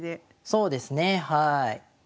そうですねはい。